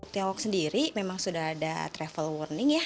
tiongkok sendiri memang sudah ada travel warning ya